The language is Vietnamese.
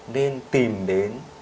nên tìm đến